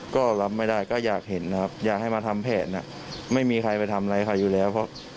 ก็รับไม่ได้ก็อยากเห็นนะครับอยากให้มาทำแผนไม่มีใครไปทำอะไรใครอยู่แล้วเพราะ